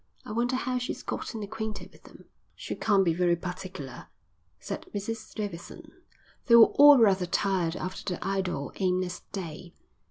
I wonder how she's gotten acquainted with them." "She can't be very particular," said Mrs Davidson. They were all rather tired after the idle, aimless day.